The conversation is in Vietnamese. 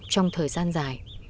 trong thời gian dài